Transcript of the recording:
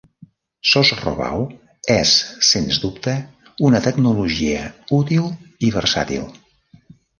Sosrobahu és, sense dubte, una tecnologia útil i versàtil.